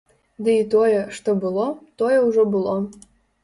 Ды і тое, што было, тое ўжо было.